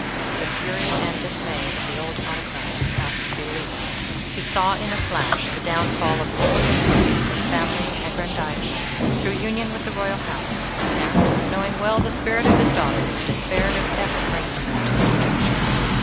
The fury and dismay of the old autocrat passed belief; he saw in a flash the downfall of all his hopes of family aggrandizement through union with the royal house, and, knowing well the spirit of his daughter, despaired of ever bringing her to subjection.